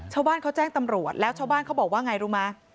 ชาวบ้านเขาแจ้งตำรวจแล้วชาวบ้านเขาบอกว่าไงรู้ไหม